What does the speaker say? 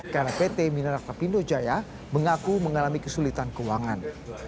karena pt minerak lapindo jaya mengaku mengalami kesulitan keuangan